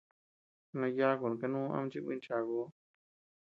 Noo yakun kanuu ama chikuincháakuu.